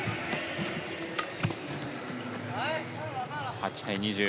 ８対２０。